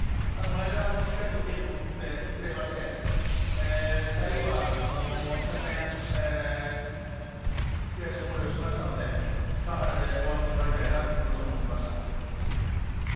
前田はしっかりとゲームを作ってくれまして最後は昨年悔しい思いをしましたので川原で終わってほしいなという思いを持ってました。